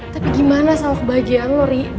tapi gimana sama kebahagiaan lo ri